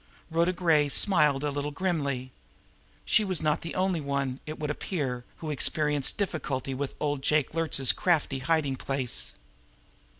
Rhoda Gray smiled a little grimly. She was not the only one, it would appear, who experienced difficulty with old Jake Luertz's crafty hiding place!